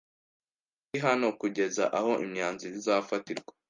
Nturi hano kugeza aho imyanzuro izafatirwa?